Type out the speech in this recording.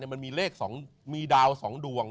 มันมีเลข๒มีดาว๒ดวง